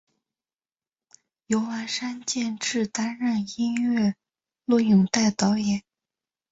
由丸山健志担任音乐录影带导演。